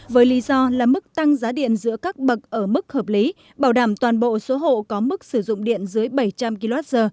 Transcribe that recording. với lý do là mức tăng giá điện giữa các bậc ở mức hợp lý bảo đảm toàn bộ số hộ có mức sử dụng điện dưới bảy trăm linh kwh